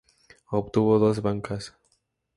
Obtuvo dos bancas.